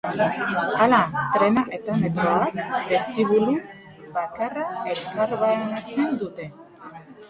Hala, trena eta Metroak bestibulu bakarra elkarbanatzen dute.